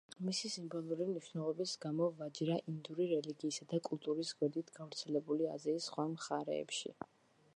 მისი სიმბოლური მნიშვნელობის გამო, ვაჯრა ინდური რელიგიისა და კულტურის გვერდით, გავრცელებულია აზიის სხვა მხარეებში.